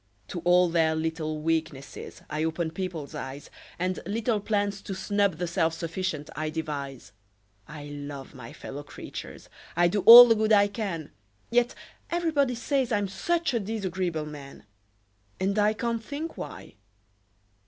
To all their little weaknesses I open people's eyes And little plans to snub the self sufficient I devise; I love my fellow creatures I do all the good I can Yet everybody say I'm such a disagreeable man! And I can't think why!